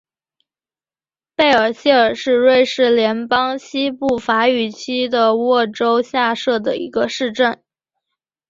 贝尔谢尔是瑞士联邦西部法语区的沃州下设的一个市镇。